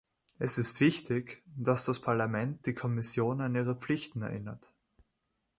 Es ist wichtig, dass das Parlament die Kommission an ihre Pflichten erinnert.